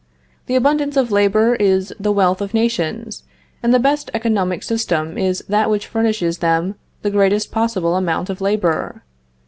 The abundance of labor is the wealth of nations, and the best economic system is that which furnishes them the greatest possible amount of labor.